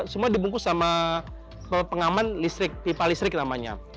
semua dibungkus sama pengaman tipa listrik namanya